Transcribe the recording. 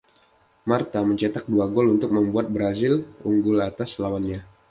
Marta mencetak dua gol untuk membuat Brasil unggul atas lawannya.